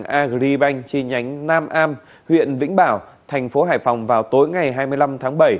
ngân hàng agribank trên nhánh nam am huyện vĩnh bảo thành phố hải phòng vào tối ngày hai mươi năm tháng bảy